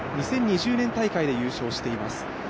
２０２０年大会で優勝しています。